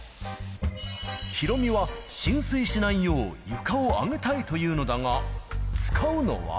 ヒロミは浸水しないよう、床を上げたいというのだが、使うのは。